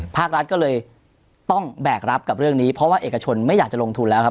ภาครัฐก็เลยต้องแบกรับกับเรื่องนี้เพราะว่าเอกชนไม่อยากจะลงทุนแล้วครับ